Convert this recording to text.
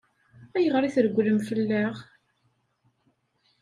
Ayɣer i tregglem fell-aɣ?